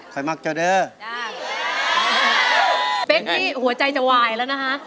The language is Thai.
ใครมักเจอเด้อพี่เป๊ะที่หัวใจจะไหวแล้วนะคะ